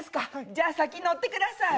じゃ、先に乗ってください。